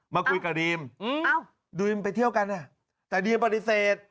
มาคุยกับดีมดรีมไปเที่ยวกันแต่ดีมปฏิเสธ